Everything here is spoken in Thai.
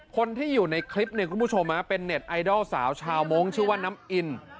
คนที่อยู่ในคลิปเนี่ยคุณผู้ชมเป็นเน็ตไอดอลสาวชาวมงค์ชื่อว่าน้ำอิน